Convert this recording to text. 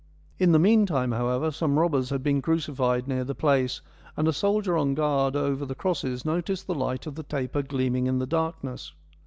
In the meantime, however, some robbers had been crucified near the place, and a soldier on guard over the crosses noticed the light of the taper gleam ing in the darkness.